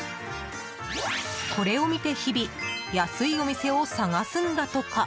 これを見て日々、安いお店を探すんだとか。